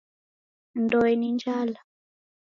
Ndoe ni njala.